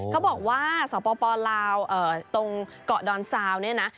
เขาบอกว่าสปลาวตรงเกาะดอนซาวเนี่ยนะ